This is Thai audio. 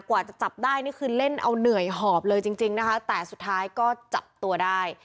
กว่าจะจับได้นี่คือเล่นเอาเหนื่อยหอบเลยจริงจริงนะคะแต่สุดท้ายก็จับตัวได้